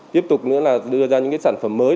tiếp tục đưa ra những sản phẩm mới